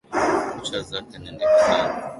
Kucha zake ni ndefu Sana.